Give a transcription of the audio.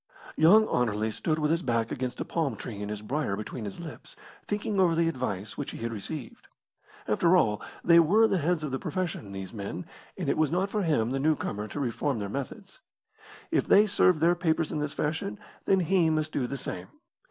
Young Anerley stood with his back against a palm tree and his briar between his lips, thinking over the advice which he had received. After all, they were the heads of the profession, these men, and it was not for him, the newcomer, to reform their methods. If they served their papers in this fashion, then he must do the same.